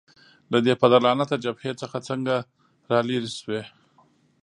له دې پدرلعنته جبهې څخه څنګه رالیري شوې؟